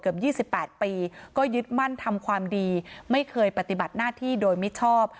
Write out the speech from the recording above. เกือบยี่สิบแปดปีก็ยึดมั่นทำความดีไม่เคยปฏิบัติหน้าที่โดยไม่ชอบ